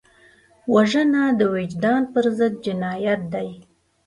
وژنه د وجدان پر ضد جنایت دی